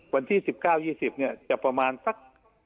วันที่๑๙๒๐เนี่ยจะประมาณสัก